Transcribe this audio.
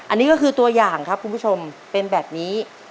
อันนี้ก็คือตัวอย่างครับคุณผู้ชมเป็นแบบนี้